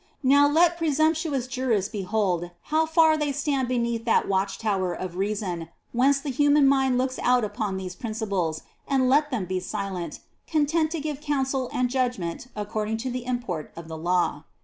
Now let presumptuous jurists behold how far they stand beneath that watch tower of reason whence the human mind looks out upon these principles, and let them be silent, content to give counsel and judgment according to the import of the law.